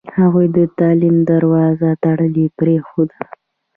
هغوی د تعلیم دروازه تړلې پرېښوده.